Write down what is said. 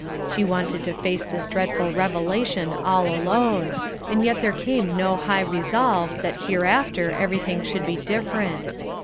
She wanted to face this dreadful revelation all alone, and yet there came no high resolve that hereafter everything should be different.